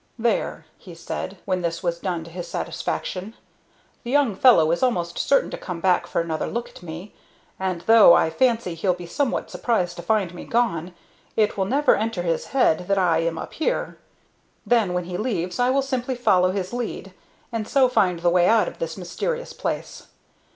"There!" he said, when this was done to his satisfaction. "The young fellow is almost certain to come back for another look at me, and, though I fancy he'll be somewhat surprised to find me gone, it will never enter his head that I am up here. Then when he leaves I will simply follow his lead, and so find the way out of this mysterious place.